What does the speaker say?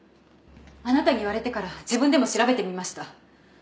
あなたに言われてから自分でも調べてみました。